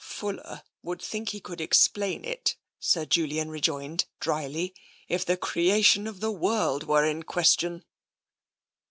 Fuller would think he could explain it," Sir Julian rejoined drily, "if the creation of the world were in question."